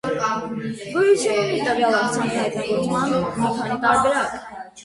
Գոյություն ունի տվյալ աղցանի հայտնագործման մի քանի տարբերակ։